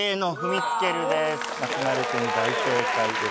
松丸君大正解です。